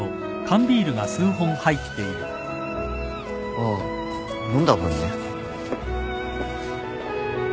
ああ飲んだ分ね。